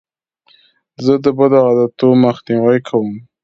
زه د بدو عادتو مخنیوی کوم.